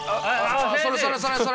それそれそれそれ。